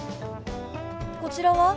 こちらは？